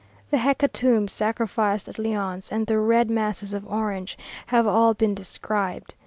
The hecatombs sacrificed at Lyons, and the "Red Masses" of Orange, have all been described.